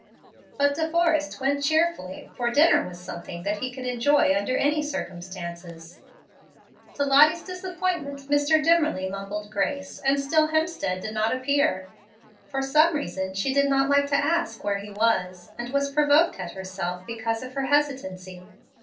But De Forrest went cheerfully, for dinner was something that he could enjoy under any circumstances. To Lottie's disappointment, Mr. Dimmerly mumbled grace, and still Hemstead did not appear. For some reason she did not like to ask where he was, and was provoked at herself because of her hesitancy.